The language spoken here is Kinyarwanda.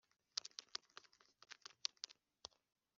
ni cyo gitumye ntiyumanganya, mvuze mbitewe n’agahinda,